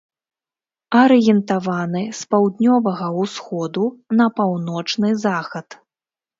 Арыентаваны з паўднёвага усходу на паўночны захад.